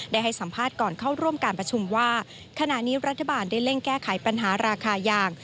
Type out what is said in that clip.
ให้สัมภาษณ์ก่อนเข้าร่วมการประชุมว่าขณะนี้รัฐบาลได้เร่งแก้ไขปัญหาราคายาง